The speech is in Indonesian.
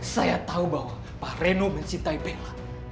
saya tahu bahwa pak reno mencintai bella